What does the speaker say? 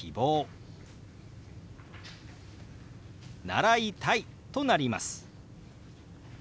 「習いたい」となります。